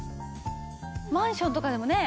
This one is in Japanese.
マンションとかでもね